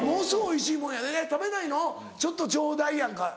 おいしいもんや「食べないの？ちょっとちょうだい」やんか。